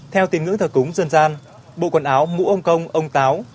theo tiếng ngữ thờ cúng dân gian bộ quần áo mũ ông công ông táo